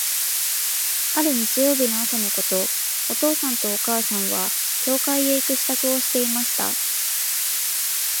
ある日曜日の朝のこと、お父さんとお母さんは、教会へ行く支度をしていました。